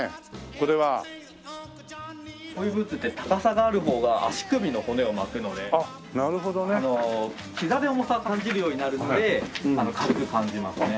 こういうブーツって高さがある方が足首の骨を巻くので膝で重さを感じるようになるので軽く感じますね。